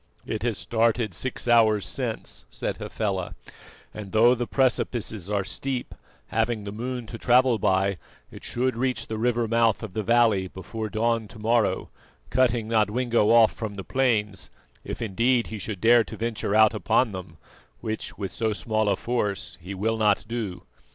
"It has started six hours since," said Hafela, "and though the precipices are steep, having the moon to travel by, it should reach the river mouth of the valley before dawn to morrow, cutting Nodwengo off from the plains, if indeed he should dare to venture out upon them, which, with so small a force, he will not do.